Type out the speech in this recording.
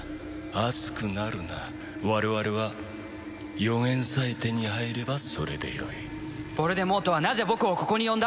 熱くなるな我々は予言さえ手に入ればそれでよいヴォルデモートはなぜ僕をここに呼んだ？